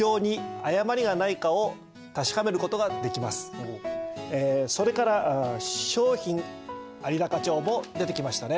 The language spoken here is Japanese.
これらとそれから商品有高帳も出てきましたね。